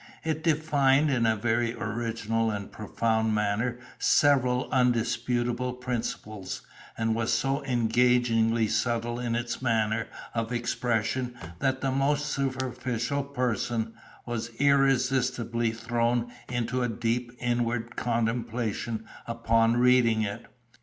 It defined in a very original and profound manner several undisputable principles, and was so engagingly subtle in its manner of expression that the most superficial person was irresistibly thrown into a deep inward contemplation upon reading it.